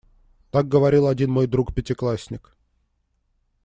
Так говорил один мой друг-пятиклассник.